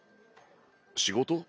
仕事？